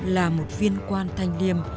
là một viên quan thanh liêm